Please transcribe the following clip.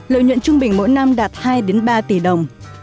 lợi nhuận trung bình mỗi năm đạt hai ba tỷ đồng